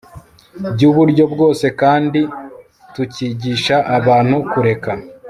byuburyo bwose kandi tukigisha abantu kureka